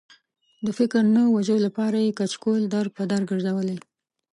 د فکر د نه وژلو لپاره یې کچکول در په در ګرځولی.